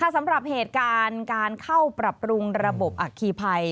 สำหรับเหตุการณ์การเข้าปรับปรุงระบบอัคคีภัย